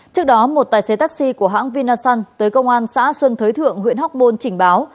trước đó một tài xế taxi của hãng vinasun tới công an xã xuân thới thượng huyện hóc môn trình báo